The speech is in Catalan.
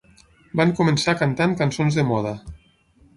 Van començar cantant cançons de moda.